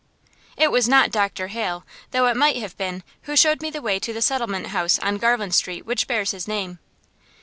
It was not Dr. Hale, though it might have been, who showed me the way to the settlement house on Garland Street which bears his name.